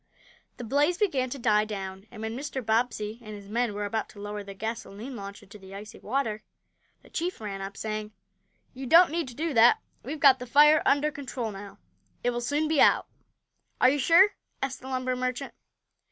The blaze began to die down, and when Mr. Bobbsey and his men were about to lower the gasoline launch into the icy water the chief ran up, saying: "You don't need to do that! We've got the fire under control now. It will soon be out." "Are you sure?" asked the lumber merchant.